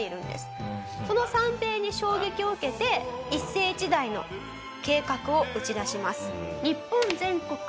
その三平に衝撃を受けて一世一代の計画を打ち出します。